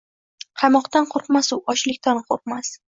Qamoqdan qoʻrqmas u. Ochlikdan qoʻrqmas.